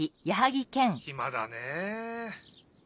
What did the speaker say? ひまだねえ。